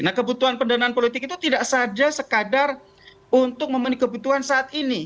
nah kebutuhan pendanaan politik itu tidak saja sekadar untuk memenuhi kebutuhan saat ini